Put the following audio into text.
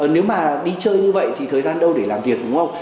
nếu mà đi chơi như vậy thì thời gian đâu để làm việc đúng không